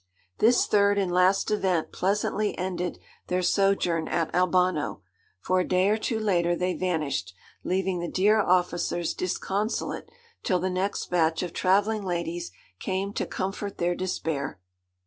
This third and last event pleasantly ended their sojourn at Albano; for a day or two later they vanished, leaving the dear officers disconsolate till the next batch of travelling ladies came to comfort their despair.